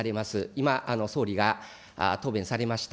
今、総理が答弁されました